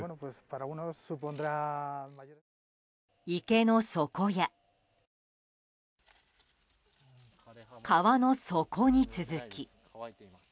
池の底や川の底に続き。